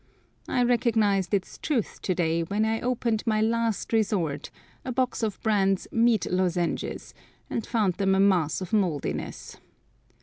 I recognised its truth to day when I opened my last resort, a box of Brand's meat lozenges, and found them a mass of mouldiness.